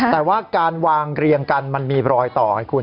แต่ว่าการวางเรียงกันมีรอยต่อ